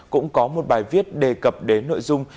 cũng có một bài viết đề cập đến nội dung